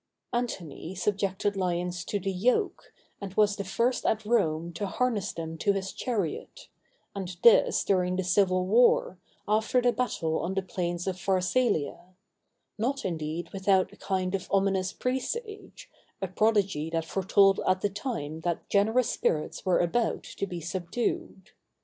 Antony subjected lions to the yoke, and was the first at Rome to harness them to his chariot; and this during the civil war, after the battle on the plains of Pharsalia; not, indeed, without a kind of ominous presage, a prodigy that foretold at the time that generous spirits were about to be subdued.